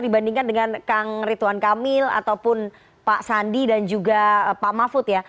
dibandingkan dengan kang rituan kamil ataupun pak sandi dan juga pak mahfud ya